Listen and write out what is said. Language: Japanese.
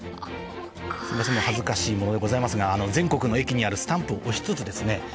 恥ずかしいものでございますが全国の駅にあるスタンプを押しつつですね